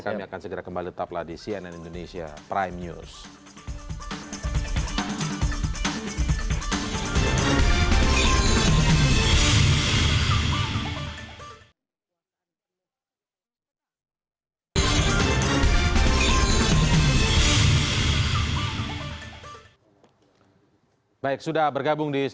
kami akan segera kembali tetaplah di cnn indonesia prime news